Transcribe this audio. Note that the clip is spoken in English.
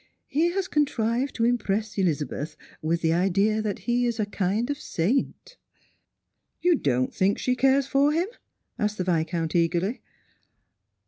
_" He has contrived to impress Elizabeth with the idea that he is a kind of saint." " You don't think she cares for him?" asked the Viscount eagerly.